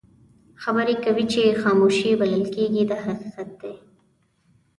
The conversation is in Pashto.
خبرې کوي چې خاموشي بلل کېږي دا حقیقت دی.